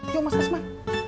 yuk mas kasman